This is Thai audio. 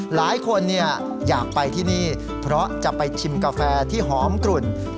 หลายคนอยากไปที่นี่เพราะจะไปชิมกาแฟที่หอมกลุ่น